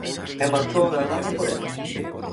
E marchou agardando por ela.